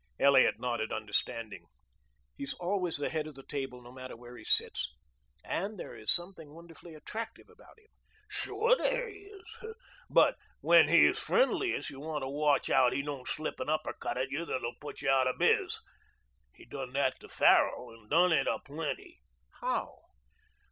Elliot nodded understanding. "He's always the head of the table no matter where he sits. And there is something wonderfully attractive about him." "Sure there is. But when he is friendliest you want to watch out he don't slip an upper cut at you that'll put you out of biz. He done that to Farrell and done it a plenty." "How?"